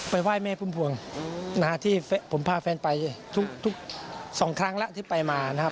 ไปไหว้แม่พุ่งนะครับที่ผมพาแฟนไปทุกสองครั้งละที่ไปมานะครับ